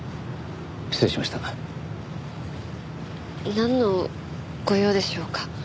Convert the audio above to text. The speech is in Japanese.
なんのご用でしょうか？